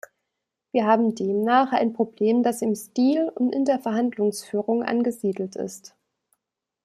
Wir haben demnach ein Problem, das im Stil und in der Verhandlungsführung angesiedelt ist.